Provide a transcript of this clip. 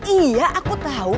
iya aku tahu